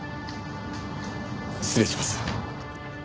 失礼します。